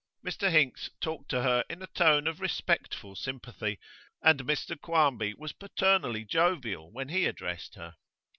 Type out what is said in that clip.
Mr Hinks talked to her in a tone of respectful sympathy, and Mr Quarmby was paternally jovial when he addressed her.